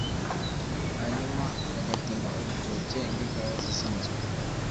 hanyuma bagatema urutoke ngo ikawa zisanzure